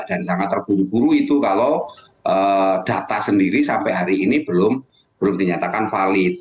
dan sangat terburu buru itu kalau data sendiri sampai hari ini belum dinyatakan valid